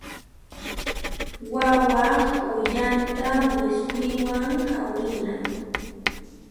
Wawaq uyanta wiswiwan hawina.